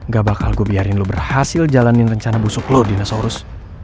gak bakal gue biarin lo berhasil jalanin rencana busuk lo dinosaurus